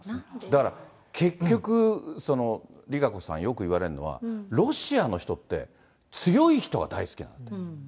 だから、結局、ＲＩＫＡＣＯさん、よく言われるのは、ロシアの人って、強い人が大好きなんです。